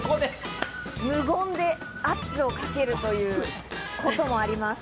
無言で圧をかけるということもあります。